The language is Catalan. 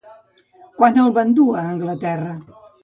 Quan el van dur a Anglaterra?